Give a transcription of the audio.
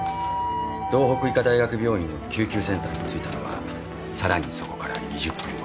道北医科大学病院の救急センターに着いたのはさらにそこから２０分後。